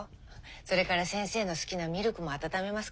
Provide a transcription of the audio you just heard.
それから先生の好きなミルクも温めますから。